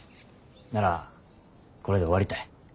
ならこれで終わりたい。